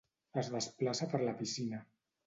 Es desplaça per la piscina.